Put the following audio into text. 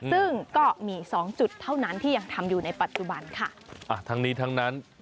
ซึ่งก็มีสองจุดเท่านั้นที่ยังทำอยู่ในปัจจุบันค่ะอ่าทั้งนี้ทั้งนั้น